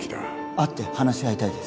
会って話し合いたいです